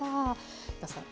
飛田さん